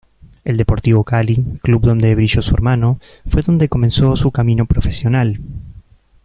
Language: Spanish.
El Deportivo Cali, club donde brilló su hermano, fue donde comenzó su camino profesional.